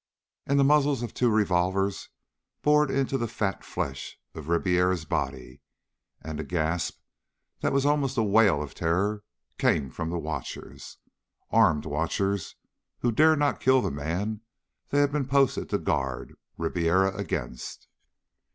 And the muzzles of two revolvers bored into the fat flesh of Ribiera's body, and a gasp that was almost a wail of terror came from the watchers armed watchers who dared not kill the man they had been posted to guard Ribiera against.